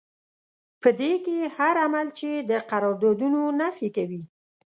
په دې کې هر عمل چې د قراردادونو نفي کوي.